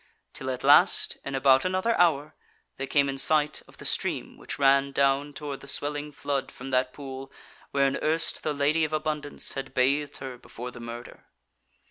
Till at last, in about another hour, they came in sight of the stream which ran down toward the Swelling Flood from that pool wherein erst the Lady of Abundance had bathed her before the murder.